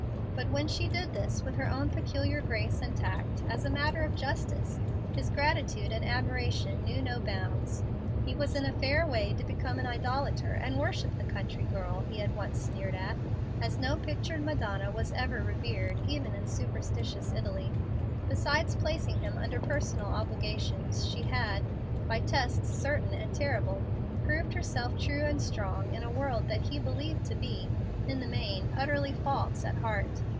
But when she did this with her own peculiar grace and tact, as a matter of justice, his gratitude and admiration knew no bounds. He was in a fair way to become an idolater and worship the country girl he had once sneered at, as no pictured Madonna was ever revered even in superstitious Italy. Besides placing him under personal obligation, she had, by tests certain and terrible, proved herself true and strong in a world that he believed to be, in the main, utterly false at heart.